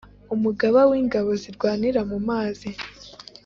umugaba w ingabo zirwanira mumazi